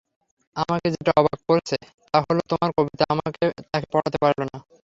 আমাকে যেটা অবাক করছে, তা হলো তোমার কবিতা তাকে পটাতে পারলো না।